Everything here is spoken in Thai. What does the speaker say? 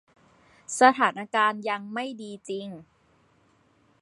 สถานการณ์ยังไม่ดีจริง